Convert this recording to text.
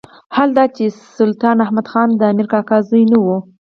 حال دا چې سلطان احمد خان د امیر کاکا زوی نه وو.